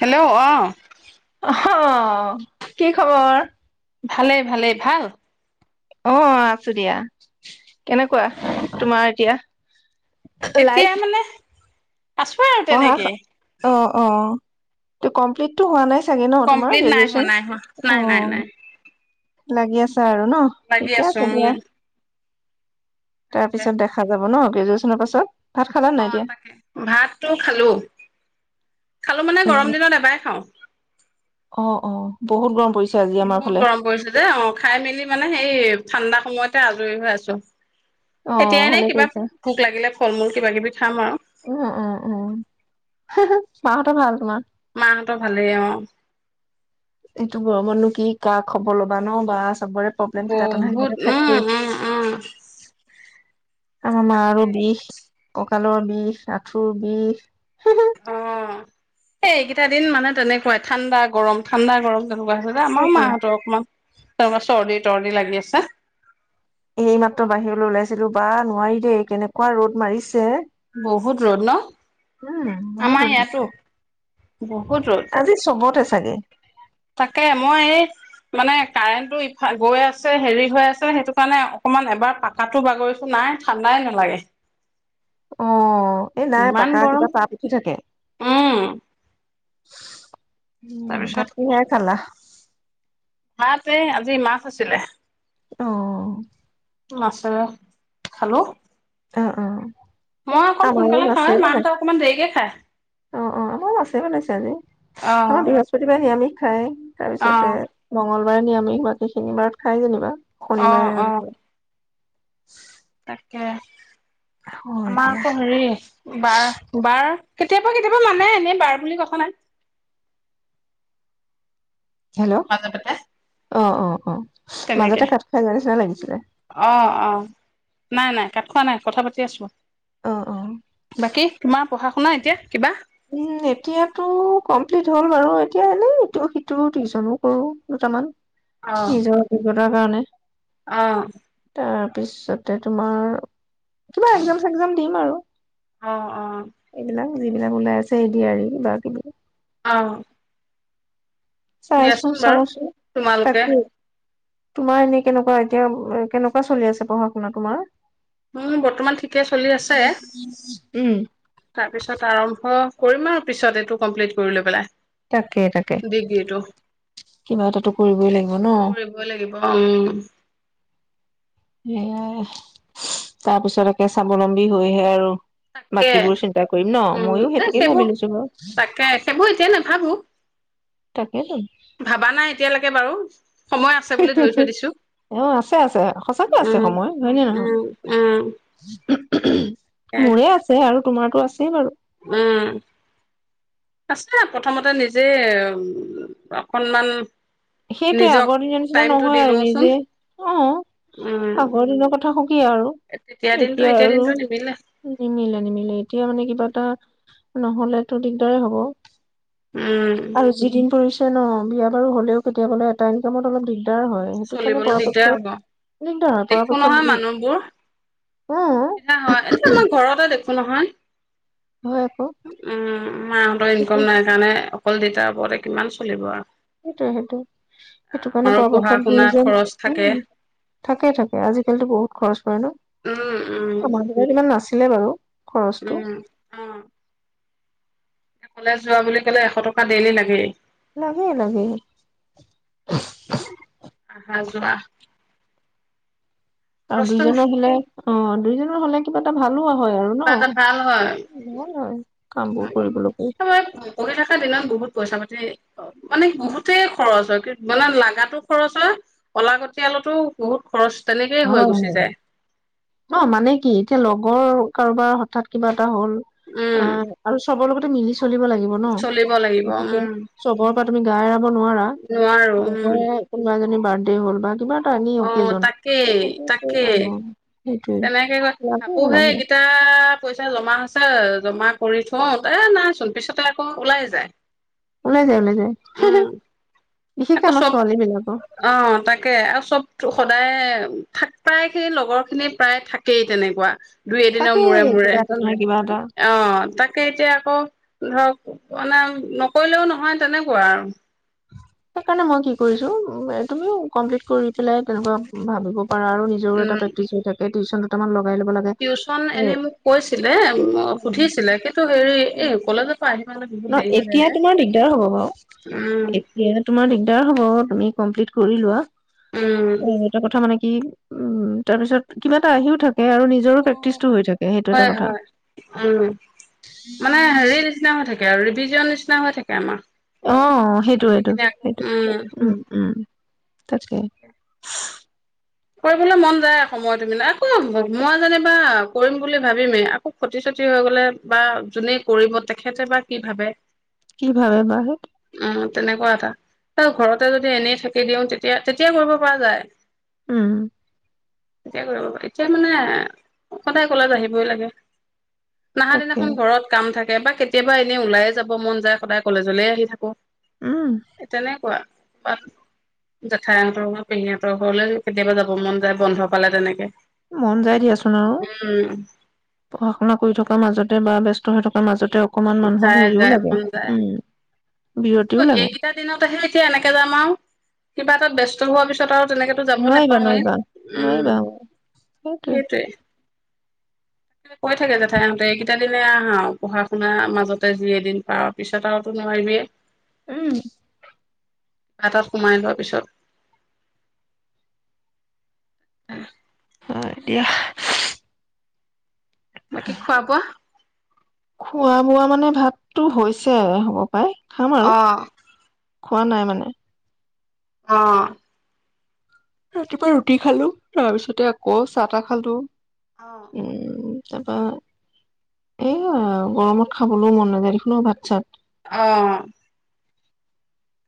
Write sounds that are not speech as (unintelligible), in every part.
Hello অ'। অ', কি খবৰ? ভালে, ভালে, ভাল। অ', আছো দিয়া, কেনেকুৱা, তোমাৰ এতিয়া? এতিয়া লাইফ মানে আছো আৰু পঢ়া শ, তেনেকে অ', অ'। ত' কমপ্লিটটো হোৱা নাই। চাগে ন তোমাৰ কমপ্লিট নাইহোৱা, গ্ৰেজুৱেচন নাইহোৱা, অ নাই নাই নাই। লাগি আছ আৰু ন' লাগি ঠিকে আছো আছে উম দিয়া। তাৰ তাকে পিছত দেখা যাব ন'। গ্ৰেজুৱে্চনৰ পাছত ভাত খালা নাই অ', এতিয়া তাকে ভাতটো খালো, খালো মানে ইমান গৰম দিনত এবাৰে খাওঁ। অ', অ', বহুত গৰম পৰিছ বহুত গৰম পৰিছে দেই অ', খাই মেলি মানে সেই ঠাণ্ডা সময়তে আজৰি হৈ আছো। অ এতিয়াই ভালে এনই কিবা কৰিছা ভোক লাগিলে ফল-মূল কিবা কিবি খাম আৰু। উম উম উম মাহঁতৰ ভাল তোমাৰ? মাহঁতৰ ভালেই অ'। এইটো গৰমতনো কি কা খবৰ ল'বা ন' বা চবৰে প্ৰব্লেম কিবা এটা নহয় কিবা বহুত, এটা উম, থাকেই উম, উম। আমা মা আৰু তাকে বিষ, কক ককালৰ বিষ, আঠুৰ বিষ। অ', এই এইকেইটা দিন মানে তেনেকুৱাই ঠাণ্ডা গৰম, ঠাণ্ডা, গৰম। তেনেকুৱা আছে যে, আমাৰ সঁচাকে মাহঁতৰ অকণমান (unintelligible) চৰ্দি-তৰ্দি লাগি আছে। এইমাত্ৰ বাহিৰলৈ ওলাইছিলো বা নোৱাৰি দেই কেনেকুৱা ৰ'দ মাৰিছে। বহুত ৰ'দ ন উম বহুত আমাৰ ৰ'দ দিছে ইয়াতো। বহুত ৰ'দ আজি চবতে চাগে তাকে মই এই মানে কাৰেণ্টটো ইফাল গৈ আছে হেৰি হৈ আছে। সেইটো কাৰণে অকণমান এবাৰ পাকাটো বাগৰিছো নাই ঠাণ্ডাই নালাগে। অ', এই নাই ইমান পাকাৰ গৰম কিবা তাপ উঠি থাকে। উম (inaudible) ভাত তাৰপিছত কিহেৰে খালা? ভাত এ আজি মাছ আছিলে। অ'। মাছেৰে খালো। উম, উম। মই অকণ আমাৰো সোনকালে খাওঁৱে মাছে মাহঁতে বনাইছে। অকমান দেৰিকে খায় অ', অ', আমাৰো মাছে বনাইছে আজি, আমাৰ অ বৃহস্পতিবাৰে নিৰামিষ। হেই তাৰপিছতে মংগল বাৰে নিৰামিষ বাকিখিনি বাৰত খাই যেনিবা। অ অ শনিবাৰে অ (inaudible) তাকে হয় আমাৰ দিয়া আকৌ হেৰি বাৰ বাৰ কেতিয়াবা কেতিয়াবা নানে, এনেই বাৰ বুলি কথা নাই। হেল্ল' মাজে পাতে অ', অ', অ'। তেনেকে মাজতে কাট খাই যোৱা নিচিনা লাগিছিলে। নাই-নাই কাট খোৱা নাই কথা পাতি আছো। অ অ বাকী তোমাৰ পঢ়া শুনা এতিয়া কিবা উম এতিয়াতো কমপ্লিট হ'ল বাৰু, এতিয়া এনে ইটো সিটো টিউচন ও কৰো দুটামান। অ (unintelligible) ৰ কাৰণে অ'। তাৰপিছতে তোমাৰ কিবা এগজাম চেগ্জাম দিম আৰু৷ অ'। অ ইগিলা যিবিলাক ওলাই আছে এ দি আৰি কিবা কিবি আও। চাইছো চাওঁচো তোমালোকে তাকে তোমাৰ এনেই কেনেকুৱা এতিয়া কেনেকুৱা চলি আছে পঢ়া শুনা তোমাৰ? উম, বৰ্তমান ঠিকে চলি আছে, উম তাৰপিছত আৰম্ভ কৰিম আৰু পিছত এইটো কমপ্লিট কৰি লৈ পেলাই। তাকে, তাকে ডিগ্ৰীটো কিবা এটাটো কৰিবই লাগিব ন? কৰিবই লাগিব উম সেয়াই তাৰপিছত একে স্বাৱলম্বী হৈহে আৰু। তাকে বাকীবোৰ চিন্তা কৰিম ন উম, ময়ো এ সেইটোকে ভাবি সেইবোৰ লৈছো বাৰু তাকে সেইবোৰ এতিয়াই নাভাবো। তাকেটো ভাবা নাই এতিয়ালৈকে বাৰু। সময় আছে বুলি ধৰি থৈ দিছো অ', আছে, আছে সঁচাকে আছে উম সময় হয়, নে নহয়? উম উম এ মোৰে আছে আৰু তোমাৰতো আছেই বাৰু উম, আছে প্ৰথমতে নিজে উ, অকনমান সেইটোয়ে নিজক আগৰ দিনৰ নিচিনা টাইমটো নহয় দি আৰু লওঁচোন নিজে অ', উম আগৰ দিনৰ কথা শ কি আৰু তেতিয়া দিনটো এতিয়া আৰু দিনটো নিমিলে নিমিলে নিমিলে এতিয়া মানে কিবা এটা নহ'লেতো দিগদাৰে হ'ব। উম আৰু যিদিন পৰিছ ছে ন বিয়া বাৰু হ'লেও কেতিয়া বোলে এটা ইনকামত অলপ দি চলিবলৈ দিগদাৰ হ'ব, দিগদাৰ হয় দেখো পৰাপক্ষত নহয় মানুহবোৰ অসুবিধা হয় এতিয়া মই ঘৰতে দেখোঁ। খোনহয়। অ হয় আকৌ উম, মাহঁতৰ ইনকম নাই কাৰণে। অকল দেতাৰ ওপৰতে কিমান চলিব আৰু। সেইটোয়ে সেইটো সেইটো কাৰণে আমাৰো পৰ পঢ়া শুনা প্ৰয়োজন খৰচ থাকে উম, থাকে থাকে আজিকালিটো বহুত খৰচ পৰে ন উম উম আমাৰ দিনত ইমান নাচ আছিলে বাৰু। খৰচটো উম, অ'। কলেজ যোৱা বুলি ক'লে এশ টকা ডেইলি লাগেই। লাগে লাগে। আহা যোৱা আৰু খৰচটো দুইজনৰ হ'লে অ', দুইজনৰ হ'লে কিবা এটা ভালো আ কিবা এটা ভাল হয়, হয় কামবোৰ কৰিবলৈ এই পঢ়ি থকা দিনত। বহুত পইচা পাতি মানে বহুতেই খৰচ হয়, কি লাগাতো খৰচ হয়, অলাগতিয়ালতো বহুত খৰচ তেনেকেই হয় হৈ হয় গুচি যায়। ন মানে কি এতিয়া লগৰ কাৰোবাৰ হঠাৎ কিবা কিবা হ'ল, এ, উম আৰু চবৰ লগত (unintelligible) চলিব লাগিব ন, চলিব লাগিব গতিকে উম চবৰে পৰা তুমি গা এৰাব নোৱাৰা, নোৱাৰো উম লগৰে কোনোবা এজনীক বাৰডে হ'ল বা কিবা এটা এনি অহ, অকেজন তাকেই সেইটোৱে তাকেই। আৰু সেইটোৱে তেনেকে কয় লাগে ভাবো হে, লাগে এইকেইটা পইচা জমা হৈছে জমা কৰি থওঁ এ নাই চব পিছতে আকৌ ওলাই যায়। ওলাই যায়, ওলাই যায়। উম বিশেষকে আকৌ আমাৰ চব ছোৱালী বিলাকৰ অ', তাকে চব (unintelligible) সদায় থাক প্ৰায় সেই লগৰ খিনি প্ৰায় থাকেই তেনেকুৱা দুই এদিনৰ থাকে মূৰে মূৰে কিবা এটা নহয় কিবা এটা অহ, তাকে এতিয়া আকৌ। ধৰক মানে নকৰিলেও নহয় তেনেকুৱা আৰু। সেইকাৰণে মই কি কৰিছো তুমিও কমপ্লিট কৰি পেলাই তেনেকুৱা ভাবিব পাৰা আৰু নিজৰো এটা উম প্ৰেক্টিছ হৈ থাকে টিউচনত তোমালোক টিউচন এনে মোক কৈছিলে সুধিছিলে কিন্তু হেৰি এই কলেজৰ পৰা আহি পালে বহুত ন' দেৰি হৈ যায় এতিয়া যে তোমাৰ দিগদাৰ হ'ব বাৰু, উম এতিয়া তোমাৰ দিগদাৰ হ'ব তুমি কমপ্লিট কৰিলোৱা। উম অ', এটা কথা মানে উম, তাৰ পিছত কিবা এটা আহিও থাক হয়, কথা হয় উম, মানে হেৰি নিচিনা হৈ থাকে আৰু ফিজৰ নিচিনা হৈ থাকে আমাৰ। অ', সেইটোৱেটো সেইখিনি আকৌ সেইটো উম, উম। তাকে। কৰিবলৈ মন যায় সময়টো মিলাই আকৌ মই যেনিবা কৰিম বুলি ভাবিমেই, আকৌ ক্ষতি চতি হৈ গলে বা যোনে কৰিব তেখেতে বা কি ভাবে। কি ভাবে বা সেইটো উম তেনেকুৱা এটা, আৰু ঘৰতে যদি এনেই থাকি দিওঁ তেতিয়া তেতিয়া কৰিব পৰা যায়। উম। তেতিয়া কৰিব পাৰি, এতিয়া মানে সদায় কলেজ আহিবই লাগে। নাহা তাকে দিনাখন ঘৰত কাম থাক কেতিয়াবা কেতিয়াবা এনেই ওলাইে যাব মন যায় সদায় কলেজলে আহি থাকো উম তেনেকুৱা পালো, জেঠাহঁতৰ ঘৰ, পেহীহঁতৰ ঘৰলৈ। কেতিয়াবা যাব মন যায় বন্ধ পালে তেনেকে মন যাই দিয়াচোন আৰু উম পঢ়া শুনা কৰি থকাৰ মাজতে বা ব্যস্ত থিয় হৈ থকাৰ মাজতে অকমান মানুহক যায়, হেৰিও যায় লাগে মন যায় উম আকৌ বিৰতিও লাগে এইকেইটা দিনতহে এতিয়া এনেকে যাম আৰু কিবা তাত ব্যস্ত হোৱাৰ পিছত আৰু তেনেকেতো যাব নোৱাৰিবা নেপাওঁয়ে নোৱাৰিবা উম, নোৱাৰিবা অ', সেইটোৱে। কৈ থাকে জেঠাইঁহতে এইকেইটা দিনহে আহ পঢ়া শুনাাৰ মাজতে যি এদিন পাওঁ পিছত আৰু নোৱাৰিবিয়েই উম তাৰ তাত সোমাই লোৱাৰ পিছত। উম আহ এতিয়া (unintelligible) বাকী খোৱা বোৱা খোৱা বোৱা মানে ভাত তোৰ হৈছে হ'ব পাৰে অহ। খোৱা নাই মানে। অ'। ৰাতিপুৱা ৰুটি খালো তাৰ পিছতে আকৌ চাহ তাহ খালো উম তাৰপা এ, গৰমত খাবলৈও মন নাযায় দেখোনো ও ভাত চাত। অ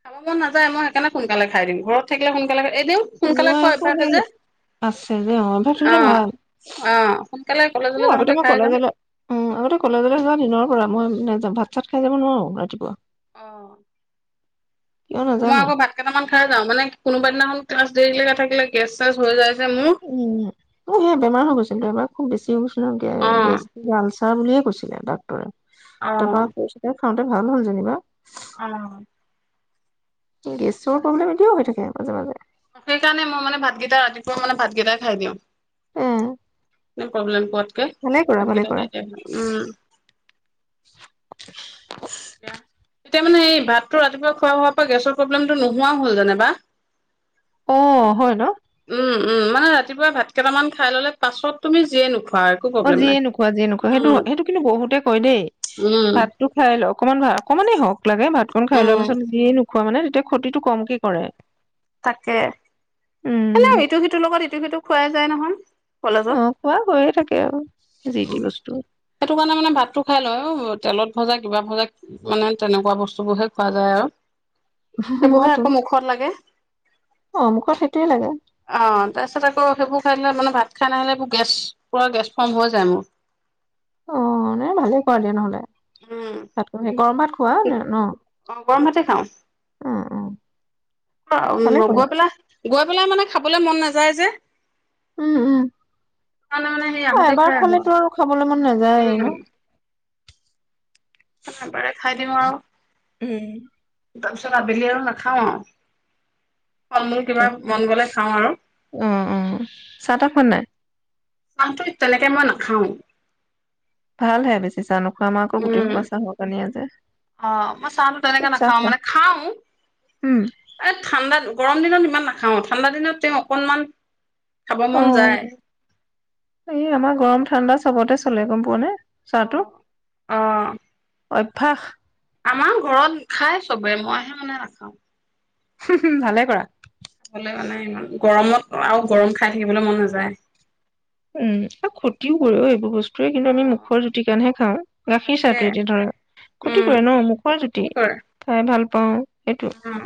খাব মন নাযায় মই সেইকাৰণে সোনকালে খাই দিম ঘৰত থাকিলে সোনকালে। এনেও সোনকালে খোৱা অভ্যাস যে আছে যে অ তাই তো ভাল অ সোনকালে কলেজলৈ আগতে যাওঁতে মই খাই যাম কলেজলৈ উম আগতে কলেজলৈ যোৱা দিনৰ পৰা ম‍ই ভাত চাত খাই যাব নোৱাৰো ৰাতিপুৱা অ কিয় তোমাৰ নাজানো আকৌ ভাত কেইটামান খাই যাওঁ মানে। কোনোবা দিনাখন ক্লাছ দেৰিলৈকে থাকিলে গেছ চেছ হৈ যায় যে মোৰ উম অ সেয়া বেমাৰ হৈ গৈছিল বেমাৰ খুব বেছি। (inaudible) উম গেছ অ গেছ আলচাৰ বুলিয়ে কৈছিলে ডাক্তৰে অ তাৰপৰা কৈছে খাওঁতে ভাল হ'ল যেনিবা অ গেছৰ প্ৰব্লেম এতিয়াও হৈ থাকে মাজে, মাজে সেইকাৰণে মই মানে ভাতকেইটা, ৰাতিপুৱা মানে ভাতকেইটাই খাই দিওঁ। এ প্ৰব্লেম পোৱাত ভালে কৰা, ভালে কৰা। এতিয়া মানে এই ভাতটো ৰাতিপুৱা খোৱা হোৱাৰ পৰা গেছৰ প্ৰব্লেমটো নোহোৱা হ'ল যেনেবা। অ', হয় ন? উম, মানে ৰাতিপুৱা ভাত কেইটামান খাই ল'লে, পাছত তুমি যিয়ে নোখু অ, যিয়ে নোখোৱা, যিয়ে নোখোৱা, সেইটো হ, সেইটো কিন্তু বহুতে কয় দেই। উম ভাতটো খাই লওঁক। অকমান ভা, অকমানেই হওঁক। লাগে ভাতকন খাই উম লোৱাৰ পাছত যিয়ে নো খোৱা মানে, তেতিয়া ক্ষতিটো কমকে কৰে। তাকে। উম এনেও ইটো-সিটোৰ লগত ইটো-সিটো খুৱাই যায় নহয়। অ কলেজত। খোৱা হৈয়ে থাকে আৰু যি টি বস্তু সেইটো কাৰণে মানে ভাতটো খাই লয়, অ' (unintelligible) তেলত ভাজা, কিবা ভাজা, মানে তেনেকুৱা বস্তুবোৰহে খোৱা যায় আৰু। সেইবোৰহে মইতো আকৌ মুখত লাগে। অমুকত সেইটোৱে লাগে অ', তাৰপিছত আকৌ সেইবো খাই মানে, ভাত খাই নাহিলে মোৰ গেছ, পোৰা গেছ ফম হৈ যায় মোৰ। অ', ন, ভালে কৰা দিয়ে উম ন'হলে। গৰম ভাত খোৱা নে-ন? অ গৰম ভাতে খাওঁ। ভালে অউম, কৰে গৈ পেলায় গৈ পেলাই মানে, খাবলৈ মন নেযায় যে। উ, উম। সেইকাৰণে মানে সেই অ, আহোতে এবাৰ খাই আহো খালেটো আৰু খাবলৈ মন আৰু। নাযায়ে, উম ন? এবাৰে খাই দিওঁ আৰু। উম। তাৰপিছত আবেলি আৰু নাখাওঁ আও। অ, অ, চাহ-তাহ খোৱা নাই? চাহটো, তেনেকে মই নাখাওঁ। ভাল হে, বেছি চাহ নোখ উম, অ, মই চাহতো তেনেকে খুব চাহ নাখাওঁ, খাই মানে খাওঁ, উম এই ঠাণ্ডাত, গৰম দিনত ইমান নাখাওঁ, ঠাণ্ডা দিনত তেওঁ অকণমান অ', এই আমাৰ গৰম ঠাণ্ডা চ চবতে চলে, গ'ম পোৱা নে? চাহটো অ', অঃ। অভ্যাস আমাৰ ঘৰত খাই চবে মইহে মানে নাখাওঁ। ভালে কৰা। খাবলে মানে ইমান গৰমত আৰু গৰম খাই থাকিবলৈ মন নাযায়। উম, আৰু ক্ষতিও কৰে অ', এইবোৰ বস্তু তোৱে কিন্তু অ আমি মুখৰ জুতিৰ কাৰণেহে খাওঁ, গাখীৰ তাকে চাহটোৱে এতিয়া ধৰা, ক্ষতি উম কৰে ন মুখৰ জুতি কি কৰে খাই ভাল পাওঁ সেইটো। উম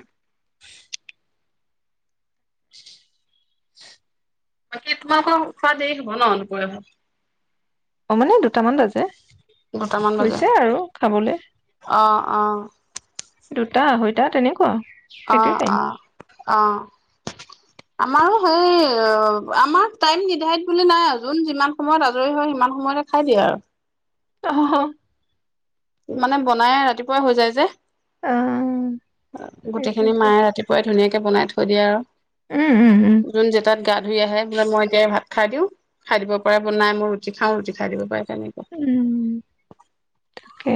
(inaudible) বাকী তোমালোকৰ খোৱা দেৰি হ'ব ন' দুপৰীয়া ভাত? অ', মানে দুটামান বাজে। দুটামান হৈছে বজাত, আৰু খাবলে অ', অ'। দুটা আঢ়ৈটা তেনেকুৱা। সেইটোৱে অ', টাইম অ', অ'। আমাৰো সেই আমাৰ টাইম নিধাৰিত বুলি নাই আৰু যোন যিমান সময়ত আজৰি হয় সিমান সময়তে খাই দিয়ে আৰু। অ'। মানে বনাই ৰাতিপুৱাই হৈ যায় যে। অ গোটেইখিনি সেইটোৱেটো মায়ে ৰাতিপুৱাই ধুনীয়াকে বনাই থৈ দিয়ে উম উম উম আৰু। যোন জেতাত গা ধুই আহে, বোলে মই এতিয়াই ভাত খাই দিও, খাই দিব পাৰে বনাই মই ৰুটি খাই ৰুটি খাই দিব পাৰে। তেনেকুৱা উম, তাকে।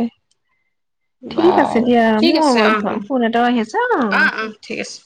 ঠিক আছে বাৰু দিয়া, ঠিক আছে অ অ মোৰ ফোন এটাওঁ আহি আছে অ অ ন'। ঠিক আছে